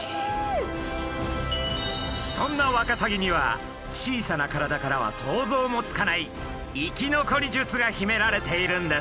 そんなワカサギには小さな体からは想像もつかない生き残り術が秘められているんです。